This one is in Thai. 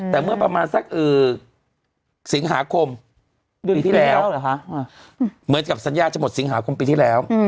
แต่เมื่อประมาณสักสิงหาคมเดือนที่แล้วเหมือนกับสัญญาจะหมดสิงหาคมปีที่แล้ว